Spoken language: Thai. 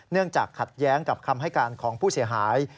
จากขัดแย้งกับคำให้การของผู้เสียหาย